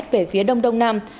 về phía đông đông nam